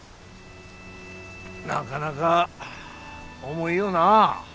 なかなか重いよな。